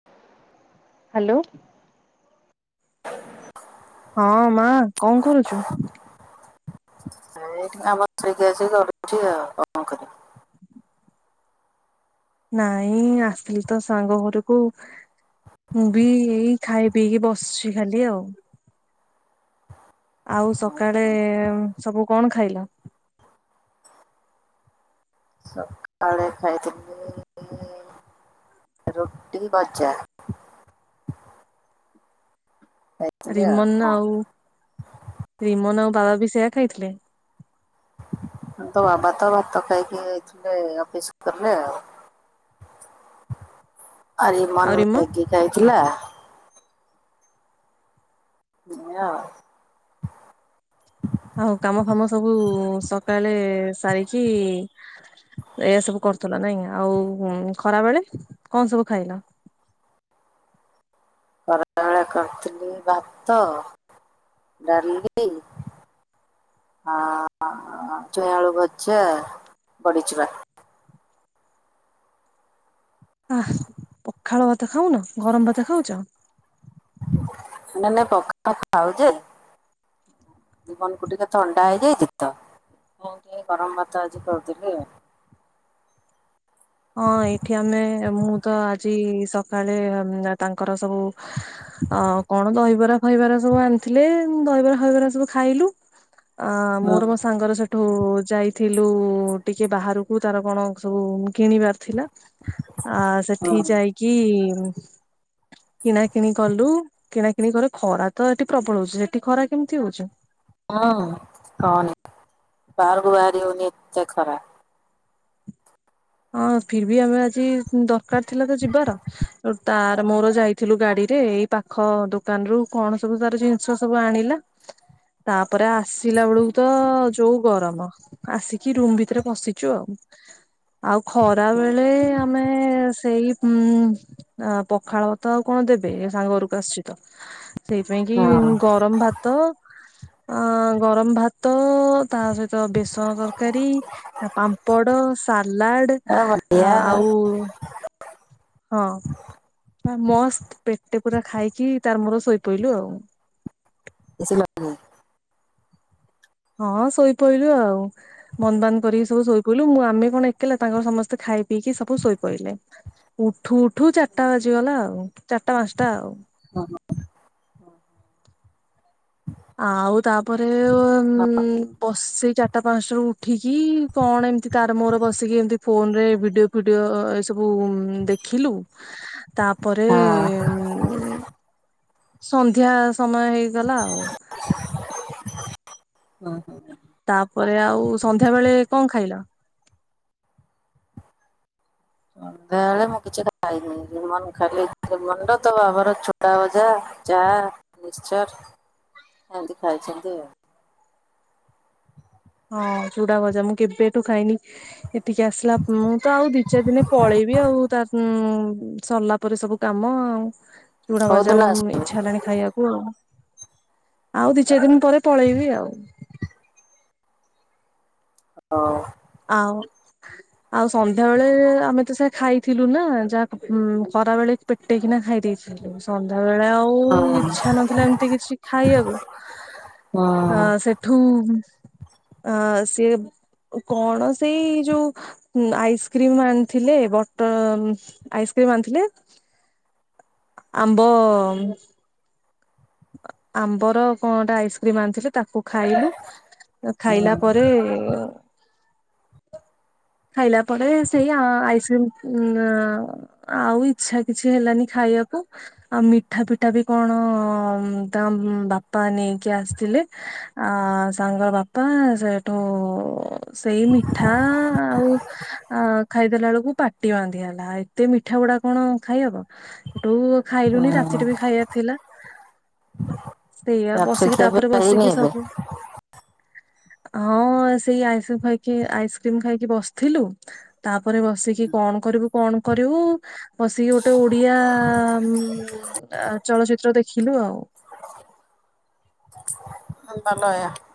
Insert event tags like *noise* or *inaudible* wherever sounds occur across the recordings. *unintelligible* Hello? *inaudible* ହଁ, ମା କଣ କରୁଛୁ? ସେଇଠାମ ସେିକି ଅଛି ଘଛି ଆଉ *inaudible* କଣ ଖାଇଛ *unintelligible* ନାଇଁ ଆସିଥିଲିତ ସାଙ୍ଗ ଘରକୁ। ମୁଁ ବି ଏଇ ଖାଇ ପିଇକି ବସଛି ଖାଲି ଆଉ। ଆଉ ସକାଳେ ସବୁ କଣ ଖାଇଲ? ସକାଳେ ଖାଇଥିଲି ରୁଟି ଭଜା। ଖାଇଥିଲି ରିମନ କଣ। ଆଉ ରିମନ ଆଉ ବାବା ବି ସେୟା ଖାଇଥିଲେ? ତୋ ବାବା ତ ଭାତ ଖାଇକି ଯାଇଥିଲେ ଅଫିସ ଗଲେ ଆଉ। ଆରେ ଆଉ ମନ ରିମନ ମ୍ୟାଗି ଖାଇଥିଲା। ହଆ *unintelligible* ଆଉ କାମ ଫାମ ସବୁ ସକାଳେ ସାରିକି ଏଆ ସବୁ କରୁଥିଲ ନାଇଁକି ଆଉ ଖରା ବେଳେ କଣ ସବୁ ଖାଇଲ? ଖରାବେଳେ କରିଥିଲି ଭାତ ଡାଲି ଆଁ ଛୁଇଁ ଆଳୁ ଭଯା ବଡି ଚୁରା। ଆହା ପଖାଳ ଭାତ ଖାଉନ ଗରମ ଭାତ ଖାଉଚ? ନା ନା ପଖାଳ ଖାଉଜେ ଜିବନ୍ କୁ ଟିକେ ଥଣ୍ଡା ହେଇଯାଇଚି ତ ଏଇ ଟିକେ ଗରମ ଭାତ ଆଜି କରୁଥିଲି ଆଉା। ହଁ ଏଇଠି ଆମେ ମୁଁ ତ ଆଜି ସକାଳେ ତାଙ୍କର ସବୁ ଅ କଣ ଦହିବରା ଫଇବରା ସବୁ ଆଣିଥିଲେ ଦହିବରା ଫଇବରା ସବୁ ଖାଇଲୁ। ଅ ହୁଁ ମୋର ସାଙ୍ଗର ସେଠଉ ଯାଇଥିଲୁ ଟିକେ ବାହାରକୁ ତାର କଣ ସବୁ କିଣିବାର ଥିଲା। ଆ ସେଠି ହୁଁ। ଯାଇକି କିଣାକିଣି କଲୁ କିଣାକିଣି କରୁ ଖରା ତ ଏଠି ପ୍ରବଳ ହଉଚି। ସେଠି ଖରା କେମିତି ହଉଚି? ହୁଁ କହନି ବାହାରକୁ ବାହାରି ହଉନି ଏତେ ଖରା। ହଁ ଫିରବି ଆମେ ଆଜି ଦରକାର ଥିଲା ତ ଯିବାର। ତାର ମୋର ଯାଇଥିଲୁ ଗାଡିରେ ଏଇ ପାଖ ଦୋକାନରୁୁ କଣ ସବୁ ତାର ଜିନିଷ ସବୁ ଆଣିଲା। ତାପରେ ଆସିଲା ବେଳକୁ ତ ଯୋଉ ଗରମ ଆସିକି ରୁମୁ ଭିତରେ ବସିଚୁ ଆଉ। ଆଉ ଖରା ବେଳେ ଆମେ ସେଇ ହୁଁ ଆଁ ପଖାଳ ଭାତ ଆଉ କଣ ଦେବେ ଏ ସାଙ୍ଗ ଘରକୁ ଆସୁଛି ତ? ସେଇଥିପାଇଁ କି ହଁ ଗରମ ଭାତ ଅ ଗରମ ଭାତ ତା ସହିତ ବେସନ ତରକାରୀ ପାମ୍ପଡ଼ ସାଲାଡ ଏ ବଢିଆ ଆଉ ହଁ ମସ୍ତ ପେଟେ ପୁରା ଖାଇକି ତାର ମୋର ଶୋଇପଇଲୁ ଆଉ। ଏସି ଲାଗିନି? ହଁ ଶୋଇପଇଲୁ ଆଉ। ବନ୍ଦ ବାନ୍ଦ କରିକି ସବୁ ଶୋଇ ପଇଲୁ ମୁଁ ଆମେ କଣ ଏକେଲା ତାଙ୍କର ସମସ୍ତେ ଖାଇ ପିଇକି ସବୁ ଶୋଇ ପଇଲେ। ଉଠୁ ଉଠୁ ଚାରିଟା ବାଜିଗଲା ଆଉ ଚାରିଟା ପାଞ୍ଚଟା ଆଉ। ହଁ। ଆଉ ତାପରେ ଉ ବସି ସେଇ ଚାରିଟା ପାଞ୍ଚଟା ରେ ଉଠିକି କଣ ଏମିତି ତାର ମୋର ବସିକି ଏମିତି ଫୋନରେ ଭିଡିଓ ଫିଡିଓ ଏସବୁ ଦେଖିଲୁ। ତାପରେ ସନ୍ଧ୍ୟା ସମୟ ହେଇଗଲା ଆଉ। ହଁ ହଁ। ତାପରେ ଆଉ ସନ୍ଧ୍ୟା ବେଳେ କଣ ଖାଇଲ? ସନ୍ଧ୍ୟା ବେଳେ ମୁଁ କିଛି ଖାଇନି। ରିମନ ଖାଲି ରିମନ ର ତା ବାବାର ଚୁଡାଭଜା ଚାଆ, ମିକ୍ସଚର ଏମତି ଖାଇଛନ୍ତି ଆଉ। ହଁ ଚୁଡାଭଜା ମୁଁ କେବେଠୁ ଖାଇନି ଟିକେ ଆସିଲା ମୁଁ ତ ଆଉ ଦି ଚାରି ଦିନ ରେ ପଳେଇବି ଆଉ ତା ଉ ସରିଲା ପରେ ସବୁ କାମ ଆଉ ଚୁଡା ଭଜା କୋଉଦିନ *unintelligible* ଆସିବୁ? ଇଚ୍ଛା ହେଲାଣି ଖାଇଆକୁ ଆଉ। ଆଉ ଦି ଚାରି ଦିନ୍ ପରେ ପଳେଇବି ଆଉ। ହଁ। ଆଉ। ଆଉ ସନ୍ଧ୍ୟା ବେଳେ ଆମେ ତ ସେ ଖାଇଥିଲୁ ନା ଯାହା ଖରା ବେଳେ ପେଟେକିନା ଖାଇ ଦେଇଛି। ସନ୍ଧ୍ୟା ବେଳେ ଆଉ ହଁ ଇଚ୍ଛା ନ ଥିଲା ଏମତି କିଛି ଖାଇଆକୁ ହଁ। ଅଁ ସେଠୁ ଅଁ ସିଏ କଣ ସେଇ ଯୋଉ ଉଁ ଆଇସ୍କ୍ରିମ ଆଣିଥିଲେ ବଟର ଆଇସ୍କ୍ରିମ ଆଣିଥିଲେ। ଆମ୍ବ ଆମ୍ବର କଁ ଗୋଟା ଆଇସ୍କ୍ରିମ ଆଣିଥିଲେ ତାକୁ ଖାଇଲୁ। ଖାଇଲା ପରେ ଖାଇଲା ପରେ ସେଇ ଆଁ ଆଇସ୍କ୍ରିମ ଉଁ ଆଁ ଆଉ ଇଛା କିଛି ହେଲାନି ଖାଇଆକୁ। ଆଉ ମିଠା ଫିଠା ବି କଣ ତାଙ୍କ ବାପା ନେଇକି ଆସିଥିଲେ। ଆ ସାଙ୍ଗର ବାପା ସେଇଠୁ ସେଇ ମିଠା ଆଉ ଆଁ ଖାଇଦେଲା ବେଳକୁ ପାଟି ବାନ୍ଧି ହେଲା ଏତେ ମିଠା ଗୁଡା କଣ ଖାଇହବ। ସେଠୁ ଖାଇଲୁନି ହଁ। ରାତିଟେ ବି ଖାଇବା ଥିଲା। ସେଇଆ ରାତିରେ ବସିକି ତାପରେ ଖିଆପିଆ ହେଇନି ବସିକି ଏବେ? ସବୁ ହଁ ସେଇ ଆଇଁଷ ଖାଇକି ଆଇସ୍କ୍ରିମ ଖାଇକି ଵସଥିଲୁ ତାପରେ ବସିକି କଣ କରିବୁ କଣ କରିବୁ ବସିକି ଗୋଟେ ଓଡିଆ ଉଁ ଚଳଚ୍ଚିତ୍ର ଦେଖିଲୁ ଆଉ। *unintelligible*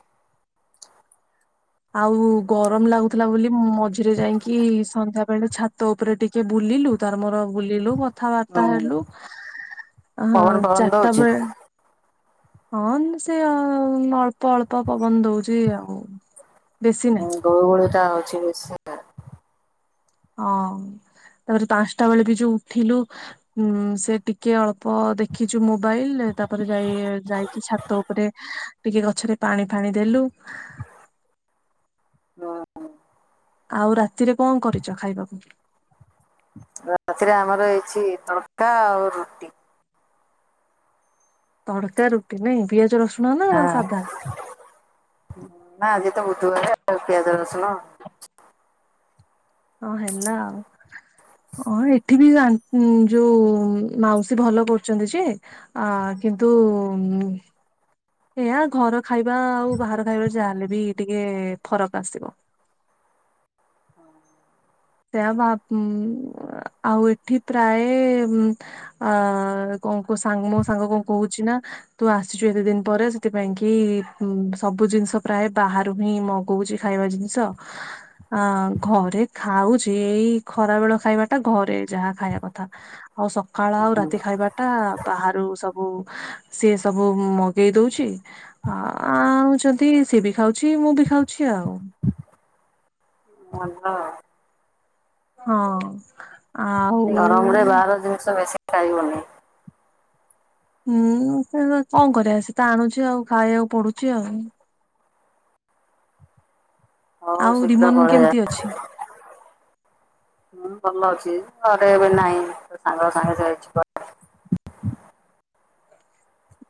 ଆଉ ଗରମ ଲାଗୁଥିଲା ବୋଲି ମଝିରେ ଯାଇଁକି ସନ୍ଧ୍ୟା ବେଳେ ଛା ତ ଉପରେ ଟିକେ ବୁଲିଲୁ। ତାର ମୋର ବୁଲିଲୁ କଥାବାର୍ତ୍ତା ହୁଁ ହେଲୁ ଅହଁ ପବନ ଫବନ ଚାରଟା ଦଉଛି? ବେଳେ ହଁନ ସେ ଅଳ୍ପ ଅଳ୍ପ ପବନ ଦଉଚି ଆଉ ବେଶୀ ନାହିଁ। ଗୁଳୁ ଗୁଳି ଟା ହଉଛି ବେଶୀ। ହଁ ତାପରେ ପାଞ୍ଚଟା ବେଳେ ବି ଯୋଉ ଉଠିଲୁ ଉଁ ସେ ଟିକେ ଅଳ୍ପ ଦେଖିଛୁ ମୋବାଇଲ ତାପରେ ଯାଇ ଯାଇକି ଛାତ ଉପରେ ଟିକେ ଗଛରେ ପାଣି ଫାଣି ଦେଲୁ। ହଁ ହଁ। ଆଉ ରାତିରେ କଁ କରିଛ ଖାଇବାକୁ? ରାତିରେ ଆମର ହେଇଛି ତଡକା ଆଉ ରୁଟି। ତଡ଼କା ରୁଟି ନାଇଁ ପିଆଜ ରସୁଣ ନା ହଁ। ସାଧା ନା ଆଜି ତ ବୁଧୁବାରେ ଆଉ ପିଆଜ ରଶୁଣ ହଁ ହେଲା ଆଉ ଅଁ ଏଠି ବି ଉଁ ଯୋଉ ମାଉସୀ ଭଲ କରୁଛନ୍ତି ଯେ, ଆ କିନ୍ତୁ ଏୟା ଘର ଖାଇବା ଆଉ ବାହାର ଖାଇବା ଯାହା ହେଲେ ବି ଟିକେ ଫରକ ଆସିବ। ହୁଁ। ସେଇଆ ଭାବ ଉଁ ଉଁ ଆ ଆଉ ଏଠି ପ୍ରାଏ ଉଁ ଅ ଅ ଅ କଣ କୋଉ ସାଙ୍ଗ ମୋ ସାଙ୍ଗ କଣ କହୁଛି ନା ତୁ ଆସିଚୁ ଏତେ ଦିନ ପରେ ସେଥିପାଇଁ କି ଉଁ ସବୁ ଜିନିଷ ପ୍ରାଏ ବାହାରୁ ହିଁ ମଗ କହୁଚି ଖାଇବା ଜିନିଷ ଆଁ ଘରେ ଖାଉଛି ଖରା ବେଳ ଖାଇବା ଟା ଘରେ ଯାହା ଖାଇବା କଥା ଆଉ ସକ୍ କାଳ ଆଉ ରାତି ଖାଇବା ଟା ବାହାରୁ ସବୁ ସିଏ ସବୁ ମଗେଇ ଦଉଛି। ହଁ ଆଣୁଚନ୍ତି ସେ ବି ଖାଉଛି ମୁଁ ବି ଖାଉଛି ଆଉ। ମନ ଆଉ। ହଁ। ଏଇ ଗରମ ରେ ଆଉ ବାହାର ଜିନିଷ ବେଶି ଖାଇବନି। ହୁଁ ସେ ତ କ କଣ କରିବା ସେ ତ ଆଣୁଛି ଆଉ ଖାଇବାକୁ ପଡୁଚି ଆଉ। ହଉ ଆଉ ଶୀଘ୍ର ରିମନ୍ ପଳେଇବା କେମିତି ଅଛି? ହଁ ଭଲ ଅଛି ଘରେ ଏବେ ନାଇଁ ତା ସାଙ୍ଗ ସାଙ୍ଗେ ଯାଇଛି କୁଆ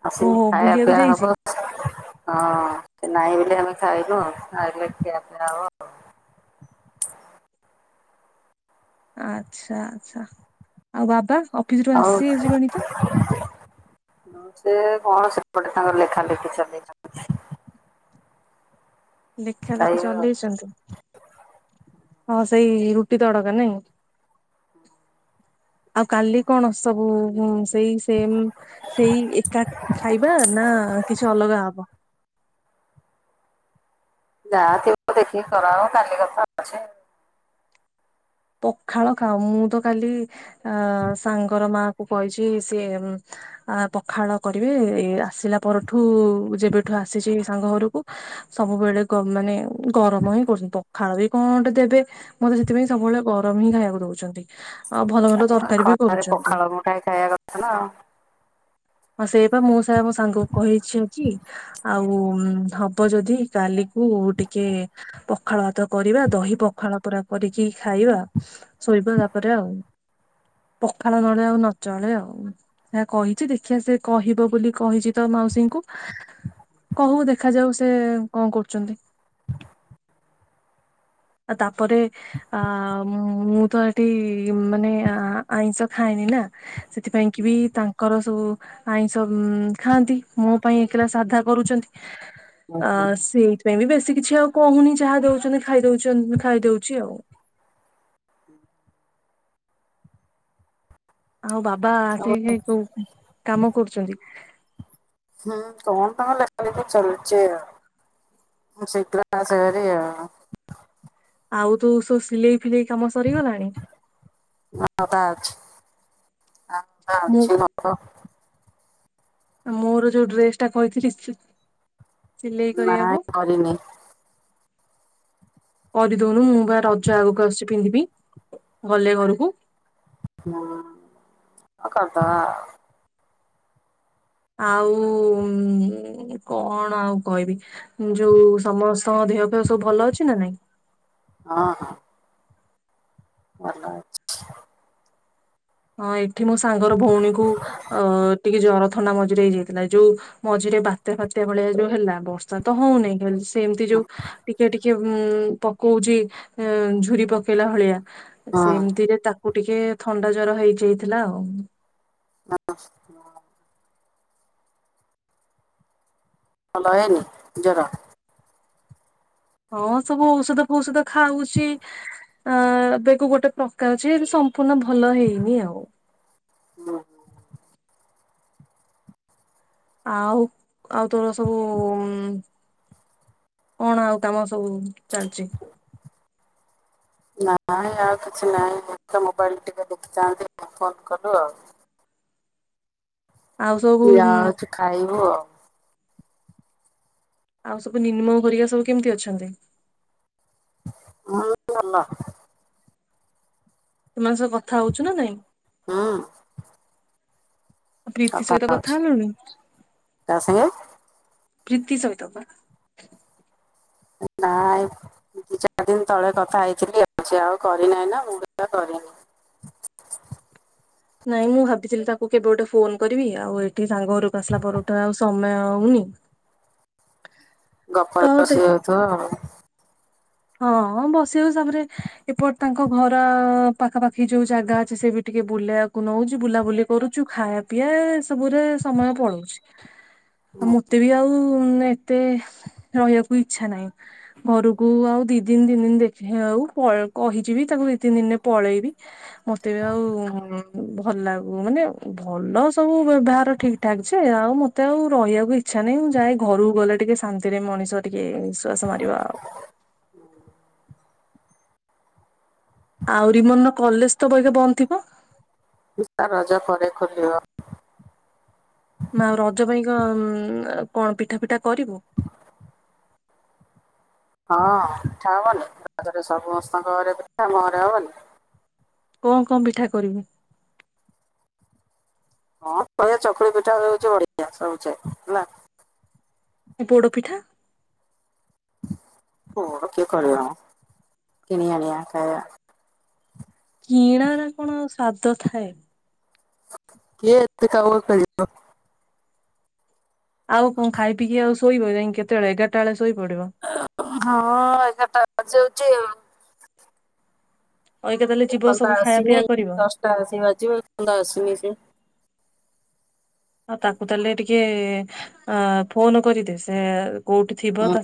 ଆସନି ଓହୋ ଖାଇବା ବୁଲିବାକୁ ପିଇବା ଯାଇଛି ହବ ହଁ ସେ ନାଇଁ ବୋଲି ଆମେ ଖାଇନୁ ଆଉ ସେ ଆଇଲେ ଖିଆପିଆ ହବ। ଆଚ୍ଛା ଆଚ୍ଛା ଆଉ ବାବା ଅପ୍ ଆଉ ହଁ ସେ କଣ ସେପଟେ ତାଙ୍କର ଲେଖା ଲେଖି ଚଲେଇଚନ୍ତି। ଲେଖା ଲେଖି ଖାଇବେ ଆଉ। ଚଲେଇଚନ୍ତି? ହଁ ସେଇ ରୁଟି ତଡକା ନେଇଁ? ଆଉ କାଲି କଣ ସବୁ ଉ ଉ ମ ସ୍ ସେଇ ସେମ ସେଇ ଏକା ଖାଇବା ନା କିଛି ଅଲଗା ହବ? ଯାହାଥିବ ଦେଖିକି କରାହବ କାଲି କଥା ଅଛି ଆଉ। ପଖାଳ ଖାଅ ମୁଁ ତ କାଲି ଅଁ ଅଁ ସାଙ୍ଗର ମା କୁ କହିଚି ସିଏ ଆ ପଖାଳ କରିବେ ଏ ଆସିଲା ପରଠୁ ଯେବେଠୁ ଆସିଚି ସାଙ୍ଗ ଘରୁକୁ ସବୁବେଳେ ଗ ମାନେ ଗରମ ହିଁ କରୁଚନ୍ତି ପଖାଳ ବି କଣଗୋଟେ ଦେବେ ମତେ ସେଥିପାଇଁ ସବୁବେଳେ ଗରମ ହିଁ ଖାଇବାକୁ ଦଉଚନ୍ତି। ଆଉ ଭଲ ଭଲ ତରକାରୀ ବି କରୁଚନ୍ତି। ଖାଇ ଖାଇବା କଥା ନା ଆଉ। ହଁ ସେଇପା ମୁଁ ସେଇଆ ମୋ ସାଙ୍ଗକୁ କହିଛି ଆଜି ଆଉ ଉ ମ୍ ହବ ଯଦି କାଲି କୁ ଟିକେ ପଖାଳ ଭାତ କରିବା ଦହି ପଖାଳ ପୁରା କରିକି ଖାଇବା। ଶୋଇବା ତାପରେ ଆଉ। ପଖାଳ ନହେଲେ ଆଉ ନଚଳେ ଆଉ ହେଇଆ କହିଚି ଦେଖ ଖିଆ ସେ କହିବ ବୋଲି କହିଚି ତ ମାଉସୀଙ୍କୁ। କହୁ ଦେଖାଯାଉ ସେ କଣ କରୁଚନ୍ତି। ଆ ତାପରେ ଆ ଆ ଆ ମ୍ ମୁଁ ମୁଁ ତ ହେଠି ମାନେ ଆଁ ଆଁ ଆଇଁଷ ଖାଇନି ନା ସେଥିପାଇଁ କି ବି ତାଙ୍କ କର ସବୁ ଆଇଁଷ ଉଁ ଉଁ ମ୍ ଖାଆନ୍ତି ମୋ ପାଇଁ ଏକେଲା ସାଧା କରୁଚନ୍ତି। ଆ ଓହୋ। ସେଇଥିପାଇଁ ବି ବେଶୀ କିଛି ଆଉ କହୁନି ଯାହା ଦଉଚନ୍ତି ଖାଇ ଖାଇଦଉଚନ୍ତ ଖାଇଦଉଚି ଆଉ। ହଁ *unintelligible* ଆଉ ବାବା ଆସିକି କୋଉ କାମ କରୁଚନ୍ତି? ହୁଁ କଣ ତାଙ୍କ ଲେଖା ଲେଖି ଚାଲିଚି ଆଉ। ମୁଁ ସେଇଥିଲାଗି ଆସେ ଭାରି ଆଉ। ଆଉ ତୁ ସୁ ସିଲେଇ ଫିଲେଇ କାମ ସରିଗଲାଣି? ହଁ ଅଧା ଅଛି, ମୁଁ ଅଛି ନତ *inaudible* ମୋର ଯୋଉ ଡ୍ରେସ୍ ଟା କହିଥିଲି ସି ସିଲେଇ ନାଇଁ କରିଆକୁ। କରିନି *unintelligible* କରିଦଉନୁ ମୁଁ ବା ରଜ ଆଗକୁ ଆସୁଚି ପିନ୍ଧିବି, ଗଲେ ଘରକୁ। ହୁଁ, ଆଉ କରିଦବା ଆଉ। ଆଉ ଉଁ କଣ ଆଉ କହିବି। ଯୋଉ ସମସ୍ତଙ୍କ ଦେହ ଫେଅ ସବୁ ଭଲ ଅଛି ନା ନାଇଁ? ହଁ ହଁ। ଭଲ ଅ ହଁ ଏଠି ମୋ ସାଙ୍ଗର ଭଉଣୀ କୁ ଅ ଟିକେ ଜର ଥଣ୍ଡା ମଜିରେ ହେଇ ଯାଇଥିଲା। ଯୋଉ ମଝିରେ ବାତ୍ୟା ଫାତ୍ୟା ଭଳିଆ ଯୋଉ ହେଲା ବର୍ଷା ତ ହଉନି, ହେ ଏମିତି ଯୋଉ ଟିକେ ଟିକେ ହୁଁ ପକଉଛି ଝୁୁରି ପକେଇଲା ଭଳିଆ। ହଁ ସେମିତିରେ ତାକୁ ଟିକେ ଥଣ୍ଡା ଜର ହେଇଯାଇଥିଲା ଆଉ। *inaudible* ଭଲ ହେଇନି, ଜର। ହଁ ସବୁ ଔଷଧ ଫୌଷଧ ଖାଉଚି ଅ ଏବେକୁ ଗୋଟେ ପ୍ରକାର ଅଛି ସମ୍ପୂର୍ଣ୍ଣ ଭଲ ହେଇନି ଆଉ। ହଁ। ଆଉ, ଆଉ ତୋର ସବୁ ଉଁ କଣ ଆଉ କାମ ସବୁ ଚାଲିଛି? ନାଇଁ ଆଉ କିଛି ନାହିଁ ଏଇତ ମୋବାଇଲ ଟିକେ ଦେଖିଥାନ୍ତି ତୁ ଫୋନ୍ କଲୁ ଆଉ। ଆଉ ସବୁ ଯାଉଚୁ ଖାଇବୁ ଆଉ। ଆଉ ସବୁ ନିନମ୍ ଘରିକା ସବୁ କେମିତି ଅଛନ୍ତି? ବହୁତ୍ ଭଲ। *inaudible* ସେମାନଙ୍କ ସହ କଥା ହଉଚୁ ନା ନାଇଁ? ହୁଁ। ପ୍ରୀତି ସହିତ କଥା ହେଲୁଣି? କା ସାଙ୍ଗେ? ପ୍ରିତି ସହିତ ପା। ନାଇଁ ଦି ଚାରି ଦିନି ତଳେ କଥା ହେଇଥିଲି, ସିଏ ଆଉ କରିନାହିଁ ନା ମୁଁ ବି କରିନି। ନାଇଁ ମୁଁ ଭାବିଥିଲି ତାକୁ କେବେ ଗୋଟେ ଫୋନ୍ କରିବ, ଆଉ ଏଠି ସାଙ୍ଗ ଘରକୁ ଆସିଲା ପରଠୁ ଆଉ ସମୟ ହଉନି। *unintelligible* ଗପରେ ଦେ ସୁଅଉଥିବ ଆଉ। ହଁ ବସିବ ସାବରେ ଏପଟେ ତାଙ୍କ ଘର ପାଖାପାଖି ଯୋଉ ଜାଗା ଅଛି ସେ ବି ଟିକେ ବୁଲେଇଆକୁ ନଉଛି। ବୁଲାବୁଲି କରୁଛୁ, ଖାଇଆ ପିଆ ଏ ସବୁରେ ସମୟ ପଳଉଛି। ଆଉ ମତେ ବି ଆଉ ଏତେ ରହିବାକୁ ଇଛା ନାହିଁ। ଘରକୁ ଆଉ ଦି ଦିନ ତିନି ଦିନ ଦେଖେ ଆଉ କହିଚିବି ତାକୁ ଦି ତିନି ଦିନରେ ପଳେଇବି। ମତେ ବି ଆଉ ଉଁ ଭଲ ଲାଗୁ ମାନେ ଭଲ ସବୁ ବ୍ୟବହାର ଠିକ୍ ଠାକ୍ ଯେ ଆଉ ମ ମତେ ଆଉ ରହିବାକୁ ଇଚ୍ଛା ନାହିଁ ମୁଁ ଯାଏ ଘକୁ ଗଲେ ଟିକେ ଶାନ୍ତିରେ ମଣିଷ ଟିକେ ନିଶ୍ଵାସ ମାରିବା ଆଉ। ଆହୁରି ମନ କଲେଜ ତ ଏବେ ବନ୍ଦ ଥିବ। *unintelligible* ରଜ ପରେ ଖୋଲିବ। ମ ରଜ ପାଇଁ କଣ ପିଠା ପିଠା କରିବୁ? ହଁ ପିଠା ହବନି ରଜରେ ସମସ୍ତଙ୍କ ଘରେ ପିଠା ଆମ ଘରେ ହବନି। କଣ କଣ ପିଠା କରିବୁ? କଣ କରିବା ଚକୁଳି ପିଠା ହୋଉଚି ବଢିଆ ହେଲା ସବୁଛେ। ପୋଡ ପିଠା? ପୋଡ କିଏ କରିବ ମ କିଣି ଆଣିବା ଖାଇବା। କିଣାର କଣ ସ୍ଵାଦ ଥାଏ। କିଏ ଏତେ କାମ କରିବ। ଆଉ କଣ ଖାଇ ପିଇକି ଆଉ ଶୋଇବ ଯାଇ କେତେବେଳେ ଏଗାରଟାବେଳେ ଶୋଇ ପଡିବ। ହଁ ଏଗାରଟା ବାଜିଯାଉଚି ଆଉ। ଅଇକା ତାହେଲେ ଏ ଯିବ ପନ୍ତ ସବୁ ଖାଇବା ପିଇବା ଆସିନେଇ କରିବ ଦଶଟା ଆସି ବାଜିବ ଏପନ୍ତ ଆସିନେଇ ସେ। ଆଉ ତାକୁ ତାହେଲେ ଟିକେ ଅ ଫୋନ କରିଦେ ସେ କୋଉଠି ଥିବ ତା